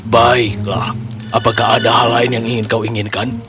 baiklah apakah ada hal lain yang ingin kau inginkan